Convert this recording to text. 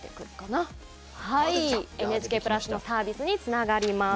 ＮＨＫプラスのサービスにつながります。